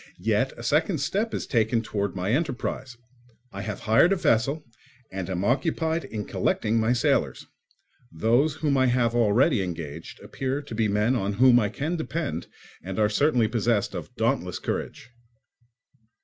Yet a second step is taken towards my enterprise. I have hired a vessel and am occupied in collecting my sailors; those whom I have already engaged appear to be men on whom I can depend and are certainly possessed of dauntless courage.